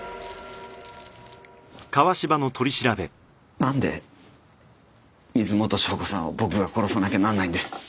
なんで水元湘子さんを僕が殺さなきゃなんないんです？